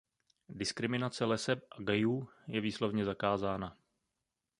Diskriminace leseb a gayů je výslovně zakázána.